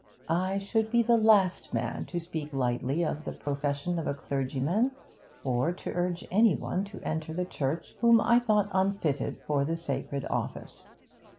'I should be the last man to speak lightly of the profession of a clergyman or to urge any one to enter the Church whom I thought unfitted for the sacred office.